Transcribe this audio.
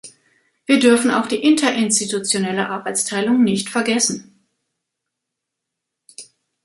Wir dürfen auch die interinstitutionelle Arbeitsteilung nicht vergessen.